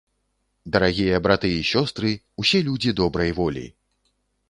Дарагія браты і сёстры, усе людзі добрай волі!